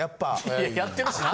いややってるしな。